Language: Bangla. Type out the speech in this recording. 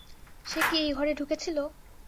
সে কি এই ঘরে ঢুকেছিল?